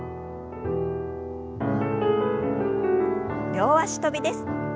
両脚跳びです。